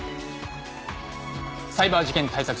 サイバー事件対策